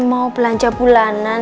mau belanja bulanan